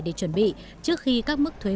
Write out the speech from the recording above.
để chuẩn bị trước khi các mức thuế